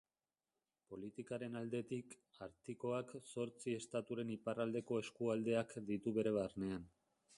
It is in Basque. Politikaren aldetik, Artikoak zortzi estaturen iparraldeko eskualdeak ditu bere barnean.